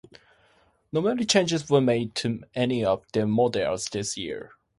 Not many changes were made to any of the models this year.